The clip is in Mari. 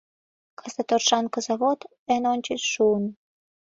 Кызыт Оршанка завод эн ончыч шуын.